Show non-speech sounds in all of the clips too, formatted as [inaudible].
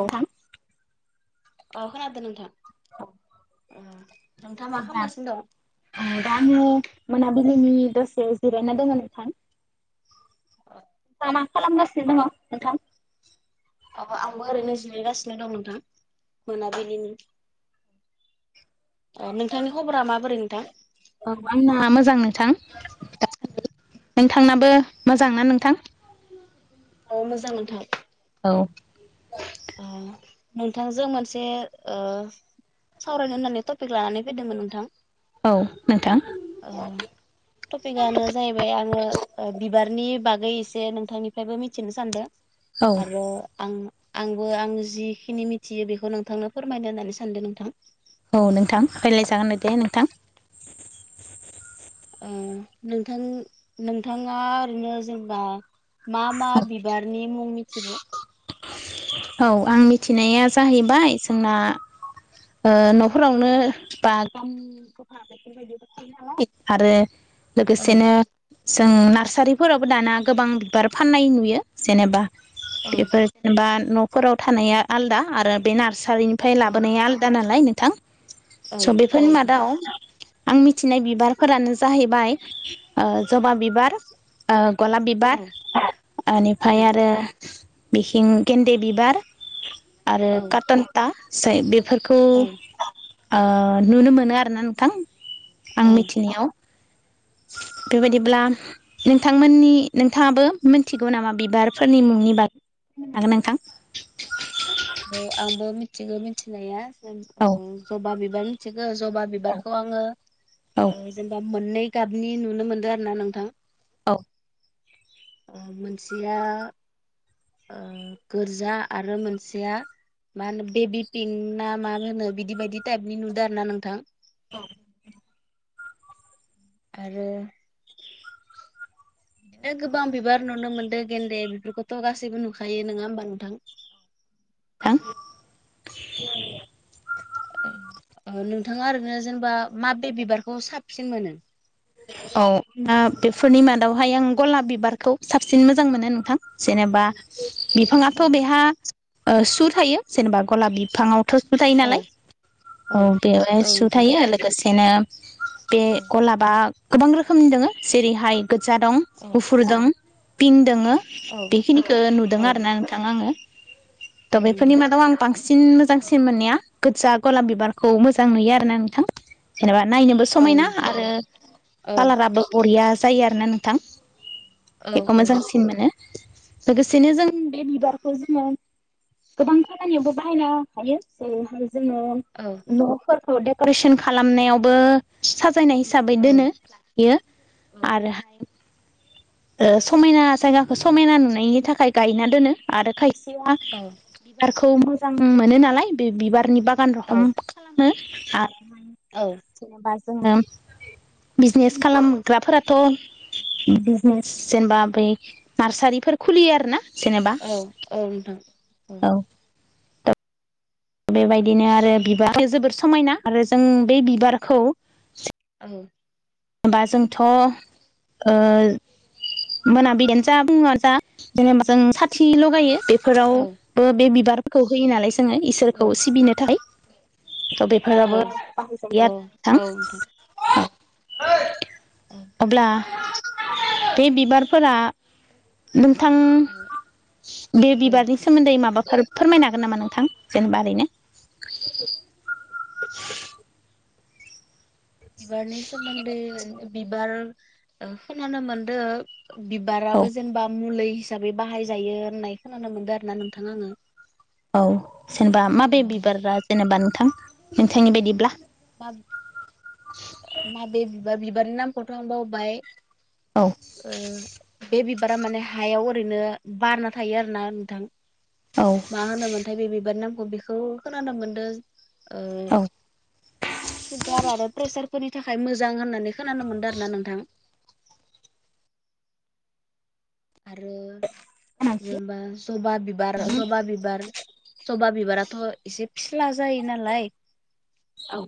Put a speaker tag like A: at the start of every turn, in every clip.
A: औ नोंथां
B: अ खोनादों नोंथां
A: [inaudible]
B: ओ नोंथाङा मा खालामगासिनो दं?
A: [unintelligible] मोनाबिलिनि दासे जिरायना दोङो नोंथां दा मा खालाम खालामगासिनो दङ नोंथां
B: अ आंबो ओरैनो जिरायगासिनो दं नोंथां मोनाबिलिनि [inaudible] ओ नोंथांनि खबरा माबोरै नोंथां [inaudible]
A: औ आंना मोजां नोंथां नोंथांनाबो मोजां ना नोंथां
B: अ मोजां नोंथां
A: औ
B: नोंथांजों मोनसे ओ सावरायनो होननानै टपिक लानानै फैदोंमोन नोंथां
A: औ नोंथां
B: ओ टपिकआनो जाहैबाय आङो बिब बारनि बागै एसे नोंथांनिफ्रायबो मिथिनो सानदों
A: औ
B: आरो आं आंबो आं जिखिनि मिथियो बेखौ नोंथांनो फोरमायनो होननानै सानदों नोंथां
A: औ नोंथां रायलायजागोननो दे नोंथां
B: ओ नोंथां नोंथाङा ओरैनो जेनबा मा मा बिबारनि मुं मिथिगो
A: औ आं मिथिनाया जाहैबाय जोंना ओ न'फोरावनो बागान [unintelligible] आरो
B: औ
A: लोगोसेनो जों नार्सारिफोरावबो दाना गोबां बिबार फाननाय नुयो जेनेबा
B: औ
A: बेफोर जेनेबा न'फोराव थानाया आलदा आरो बे नार्स सारिनिफ्राय
B: औ
A: लाबोनाया आलादा नालाय नोंथां
B: औ
A: स'
B: औ
A: बेफोरनि
B: नोंथां
A: मादाव आं मिथिनाय बिबारफोरानो जाहैबाय ओ जबा बिबार ओ गलाब बिबार
B: औ औ
A: ओनिफ्राय आरो बिथिं गेन दे बिबार आरो कटनका सै बेफोरखौ
B: औ
A: ओ नुनो मोनो आरो ना नोंथां आं
B: औ
A: मिथिनायाव
B: [inaudible]
A: बेबायदिब्ला नोंथांमोननि नोंथाङाबो मिथिगौ नामा बिबारफोरनि मुंनि बाग हागोन नोंथां
B: औ आंबो मिथिगौ मिथिनाया जों
A: औ
B: उम जबा बिबार मिथि गो जबा बिबारखौ आङो
A: औ
B: ओ जेनेबा मोननै गाबनि नुनो मोनदों आरो ना नोंथां
A: औ
B: ओ मोनसेया ओ गोजा आरो मोनसेया मा होनो बेबि पिंक ना मा होनो बिदि बदि टाइपनि नुदों आरो ना नोंथां
A: औ
B: आरो बिदिनो गोबां बिबार नुनो मोनदों गेन्दे बेफोरखौथ' गासैबो नुखायो नोङा होमबा नोंथां [inaudible]
A: हा
B: ओ नोंथाङा ओरैनो जेनेबा माबे बिबारखौ साबसिन मोनो
A: औ दा बेफोरनि मादावहाय आं गलाब बिबारखौ साबसिन मोजां मोनो नोंथां जेने बा बिफाङाथ'
B: औ
A: बेहा सु थायो जेनेबा गलाब बिफाङाव थ'सबो थायो
B: औ
A: नालाय औ बेवहाय सु थायो लोगोसेनो बे गलाबा गोबां रोखोमनि दोङो जेरैहाय गोजा दं
B: औ
A: गुफुर दं पिंक दोङो
B: औ
A: बेखिनिखो नुदों
B: औ
A: आरोना नोंथां आङो
B: औ
A: दा बेफोरनि
B: नोंथां
A: मादाव आं बांसिन बांसिन मोजांसिन मोननाया गोजा गलाम बिबारखौ मोजां नुयो आरोना नोंथां जेनेबा नायनोबो
B: औ
A: समायना
B: नोंथां
A: आरो
B: औ
A: कालाराबो बरिया जायो आरोना नोंथां
B: औ
A: बेखौ
B: औ
A: मोजांसिन मोनो लोगोसेनो जों बे बिबारखौ जोङो गोबां खामानियावबो बाहायनो हायो जोङो
B: औ
A: न'फोरखौ देक'रेसन खालामनायावबो साजायनाय हिसाबै
B: औ
A: दोनो आरो
B: औ
A: आरोहाय समायना जायगाखौ समायना नुनायनि थाखाय गायना दोनो आरो खायसे
B: औ
A: बिबारखौ मोजां मोनो नालाय बे बिबारनि बागान रोखोम
B: औ
A: खालामो
B: औ
A: [inaudible] जोङो बिजनेस खालामग्राफोराथ' जेनेबा बै नार्सारिफोर खुलियो आरो ना। जेनेबा
B: औ नोंथां औ
A: औ बेबायदिनो आरो बिबार जोबोर समायना आरो जों बे बिबारखौ
B: औ
A: जेनेबा जोंथ' मोनाबिलियानो जा बुङनो जा जेनेबा जों साथि लगायो बे
B: औ
A: फोरावबो बे बिबारखौ होयो नालाय जोङो
B: औ
A: इसोरखौ सिबिनोथाय थ' बेफोराबो बाहायजायो आरो नोंथां
B: औ
A: अब्ला बे बिबारफोरा नोंथां
B: औ
A: बे
B: औ
A: बिबारनि सोमोन्दै माबा फोरमायनो हागोन नामा नोंथां जेनेबा ओरैनो
B: बिबारनि सोमोन्दै बिबार खोनानो मोनदों
A: औ
B: बिबाराबो जेनेबा मुलि हिसाबै बाहायजायो होननाय खोनानो मोनदों आरो ना नोंथाङा आङो
A: औ जेनेबा
B: ओ
A: माबे बिबारा जेनेबा नोंथां नोंथांनि बायदिब्ला
B: माबे बिबारनि नामखौथ' आं बावबाय।
A: औ
B: बे बिब बारा माने हायाव ओरैनो बारना थायो आरो ना नोंथां।
A: औ
B: मा होनोमोनथाय बे बिबारनि नामखौ बेखौ खोनानो मोनदों। सुगार आरो प्रेसार फोरनि थाखाय मोजां होननानै मोनै खोनानो मोनदों आरो ना नोंथां। आरो
A: औ
B: जेनेबा जबा बिबार जबा बिबार जबा बिबाराथ' एसे फिस्ला जायो नालाय
A: औ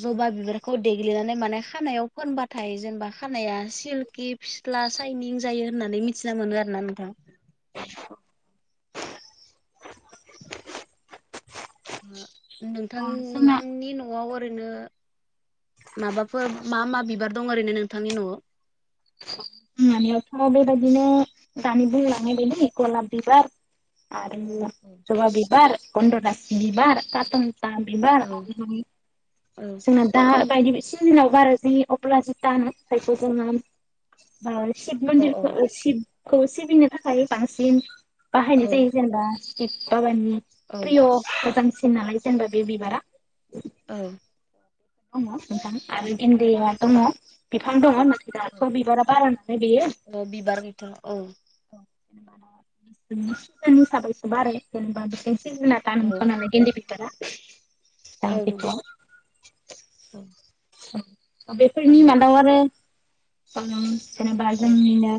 B: जबा बिबारखौ देग्लिनानै माने खानायाव फोनबाथाय जेनेबा खानाया सिलकि फिथ्ला साइनिं जायो होननानै मिथिना मोनो आरो ना नोंथां।
A: ओ
B: नोंथां
A: जोंना
B: नोंथांनि न'आव ओरैनो माबाफोर मा मा बिबार दं ओरैनो नोंथांनि न'आव
A: हानियावथ' बेबायदिनो दानि बुंलांनायबायलै गलाब बिबार आरो जबा बिबार गन्द'राज बिबारा खाथं दा बिबार
B: औ औ
A: जोंना दा बायदि सिजनाव बारा जि अब्ला जु दानो जायखौ जोङो शिब
B: औ
A: मन्दिरखौ शिबखौ सिबिनो थाखाय बांसिन बाहायनाय जायो जेनेबा एफाबानि
B: औ
A: प्रिय' मोजांसिन नालाय जेनेबा बे बिबारा
B: औ
A: दङजां आरो इन्दिया दङ बिफां दङ राथ
B: औ
A: बिबार बारा नालाय बेयो
B: औ बिबार गैथारा औ
A: जेनेबा सिजोन हिसाबैसो बारो आरो
B: औ
A: जेनेबा [unintelligible] [unintelligible]
B: उम
A: बेफोरनि मादाव आरो जेनेबा जोंनिनो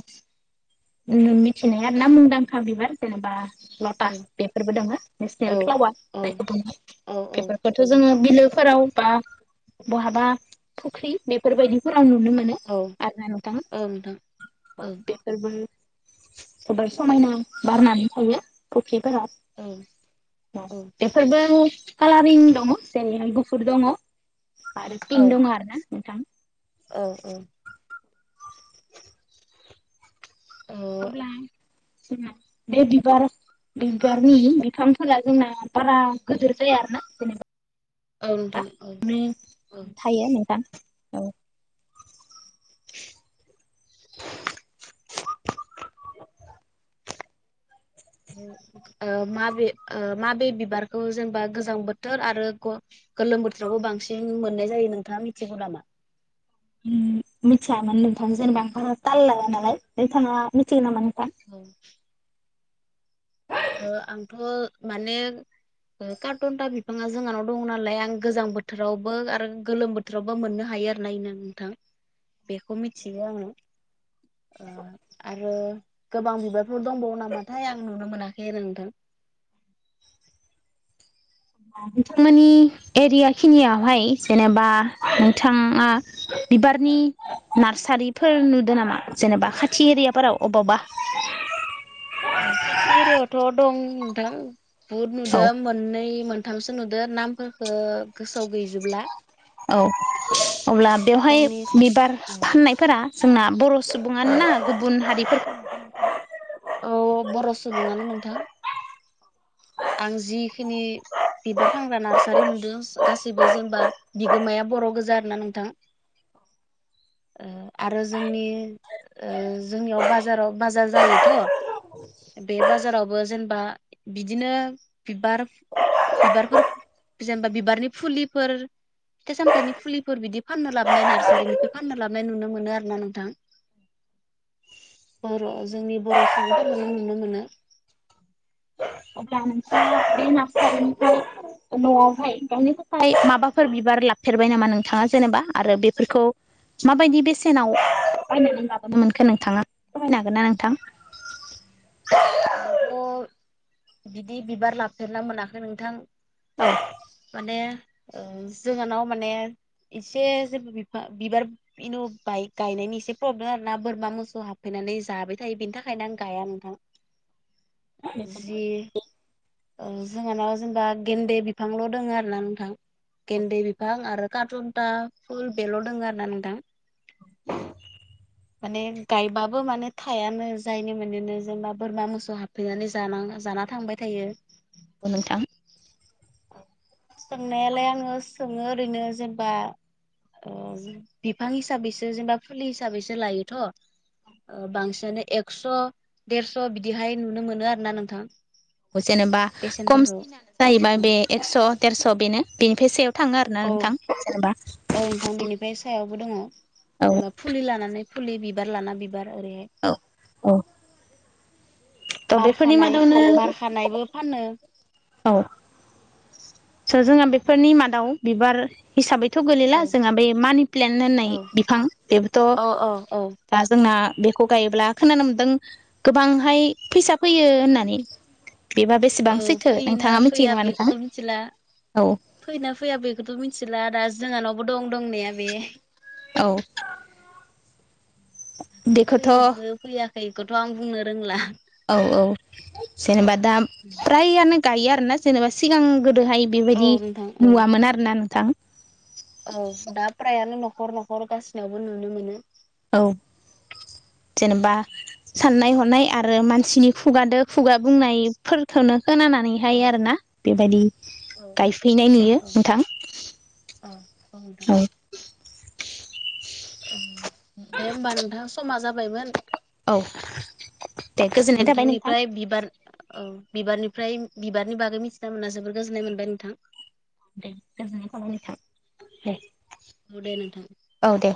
A: मिथिनाया आरो ना मुंदांखा बिबार जेनेबा
B: औ
A: लटास बेफोरबो दङो नेसनेल
B: औ
A: फ्लावार
B: औ
A: जायखौ बुङो
B: औ औ
A: बेफोरखौथ'
B: औ
A: जोङो बिलोफोराव बा बहाबा फुख्रि बेफोरबायदिफोर आं नुनो मोनो
B: औ
A: आरो ना नोंथां
B: औ नोंथां औ
A: बेफोरबो गोबां समायना बारनानै थायो। ब
B: औ
A: [unintelligible]
B: औ
A: बेफोरबो कालारिं दङ' जेरैहाय गुफुर दङ' आरो
B: औ
A: पिनक दङ' आरो ना नोंथां
B: औ औ
A: अब्ला बे बिबार बिबारनि बिफांफोरा जोंना बारा गिदिर जाया आरो ना जेनेबा
B: आऔ नोंथां औ औ ओ
A: ओमफ्रायथायो नोंथां औ
B: [inaudible] ओ माबे ओ माबे बिबारखौ जेनेबा गोजां बोथोर आरो ग गोलोम बोथोरावबो बांसिन मोननाय जायो नोंथाङा मिथिगौ नामा?
A: ओ मिथियामोन नोंथां जेनेबा आं ताल लाया नालाय नोंथाङा मिथिगोन नोंथां?
B: औ ओ आंथ' माने ओ कार्टनटा बिफाङा जोंहानाव दं नालाय आं गोजां बोथोरावबो आरो गोलोम बोथोरावबो मोननो हायो हायो आरोना नायनो नोंथां बेखौ मिथियो आङो आरो गोबां बिबारफोर दंबावो नामाथाय आं नुनो मोना केरांगन [unintelligible]
A: नोंथांमोननि एरिया खिनियावहाय जेनेबा नोंथाङा बिबारनि नार्सारिफोर नुदों नामा जेनेबा खाथि एरियाफोराव अबावबा
B: [inaudible] ओखाथि एरियावथ' दं नोंथां बुहुद
A: औ
B: नुदों मोननै मोन थामसो नुदो नामफोरफोरखौ गोसोयाव गैजोबब्ला
A: औ अब्ला बेवहाय
B: जोंनि
A: बिबार
B: खाथि
A: फाननायफोरा जोंना बर'
B: औ
A: सुबुङानो ना गुबुन हारिफोर
B: औ बर' सुबुङानो नोंथां आं जिखिनि बिबार फानग्रा नार्सारि नुदों गासैबो जेनेबा बिगोमाया बर' गोजा आरोना नोंथां ओ आरो जोंनि ओ जोंनियाव बाजाराव बाजार जायोथ' बे बाजारावबो जेनेबा बिदिनो बिबार बिबारफोर जेनेबा बिबारनि फुलिफोर फिथाइ-सामथायनि फुलिफोर बिदि फाननो लाबोनाय नार्सारिनिफ्राय फाननो लाबोनाय नुनो मोनो आरो ना नोंथां [inaudible] बर' जोंनि बर' सुबुंफोरखौनो नुनो मोनो
A: जानस बे मास खालाम [unintelligible] न'आवहाय गायनो थाखाय माबाफोर बिबार लाफेरबाय नामा नोंथाङा जेनेबा आरो बेफोरखौ माबायदि बेसेनाव बायनानै लाबोनो मोनखो नोंथाङा फोरमायनो हागोन ना नोंथां
B: आंथ' बिदि बिबार लाफेरनो मोनाखै नोंथां
A: औ
B: माने जोंहानाव माने एसे जेबो बिफां बिबार इनाय गायनायनि एसे प्रब्लेम आरोना बोरमा मोसौ हाबफैनाय नानै जाबाय थायो बेनि थाखायनो आं गाया नोंथां जि औ जोंहानाव जेनेबा गेनदे बिफांल' दङ' आरोना नोंथां। गेनदे बिफां आरो कारन्था [unintelligible] फुल बेल' दङ आरो ना नोंथां। माने गायबाबो माने थायानो जायनि मोनो जेनेबा बोरमा मोसौ हाबफैनानै जालाङो जाना थांबाय थायो।
A: नोंथां
B: सोंनायालाय आङो सोङो ओरैनो जेनेबा अ बिफां हिसाबैसो जेनेबा फुलि हिसाबैसो लायोथ' बांसिनानो एक्स' देरस' बिदिहाय नुनो मोनो आरोना नोंथां।
A: जेनेबा
B: बेसेनफोरखौ
A: खमसिनानो जाहैबाय बे
B: औ
A: एक्स' देरस' बेनो बेनिफ्राय सायाव। थाङो आरोना
B: औ
A: नोंथां जेनेबा
B: औ नोंथां बेनिफ्राय सायावबो दङ
A: औ
B: एबा फुलि लानानै फुलि बिबार लाना बिबार ओरैहाय।
A: औ औ थ' बेफोरनि
B: बारखानाय
A: मादावनो
B: बारखानायबो फानो
A: औ। सो जोंहा बेफोरनि मादाव बिबार हिसाबै। थ' गोलैला
B: औ
A: जोंहा बे मानि प्लेन्ट होननाय
B: औ
A: बिफां बेबोथ'
B: औ औ औ
A: दा जोंना। बेखौ गायोब्ला खोनानो मोनदों गोबांहाय फैसा फैयो होननानै। बेबा बेसेबां सैथो नोंथाङा मिथियो नामा नोंथां।
B: ला
A: औ
B: फैयोना फैया बेखौथ' मिथिला दा जोंहानावबो दं दंनाया बे
A: औ। बेखौथ'
B: फैयोबो
A: औ
B: फैयाखैखौथ' आं बुंनो रोंला।
A: औ औ जेनेबा दा फ्रायानो गायो आरोना जेनेबा सिगां गो दोहाय
B: औ
A: बेबायदि
B: नोंथां औ
A: नुवामोन आरो ना नोंथां।
B: औ दा फ्रायानो न'खर न'खर गासिनावबो नुनो मोनो।
A: औ जेनेबा साननाय हनाय आरो मानसिनि खुगादो। खुगा बुंनायफोरखौनो खोनानानैहाय
B: औ
A: आरो ना बेबायदि
B: औ
A: गायफैनाय नुयो
B: औ
A: नोंथां।
B: औ औ नोंथां
A: औ।
B: दे होमबा नोंथां समा जाबायमोन
A: औ दे गोजोननाय थाबाय नोंथां
B: नोंथांनिफ्राय बिबार औ बिबारनिफ्राय बिबारनि बागै मिथिना मोनना जोबोर गोजोननाय मोनबाय नोंथां।
A: दे गोजोननाय थाबाय नोंथां दे।
B: औ दे नोंथां।
A: औ दे